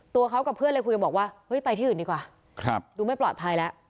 ตัวเขากับเพื่อนเลยคุยกันบอกว่าเฮ้ยไปที่อื่นดีกว่าดูไม่ปลอดภัยแล้ว